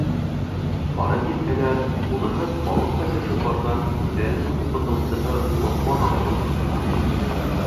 Барып етһәләр, уныһы балыҡҡа төшөп барған үҙҙәренең уҡытыусыһы Лоҡман ағай булып сыға.